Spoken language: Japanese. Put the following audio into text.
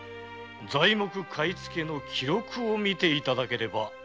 材木買い付けの記録を見ていただければ。